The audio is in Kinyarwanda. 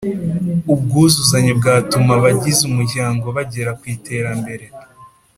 Ubwuzuzanye bwatuma abagize umuryango bagera ku iterambere